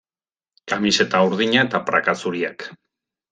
Kamiseta urdina eta praka zuriak.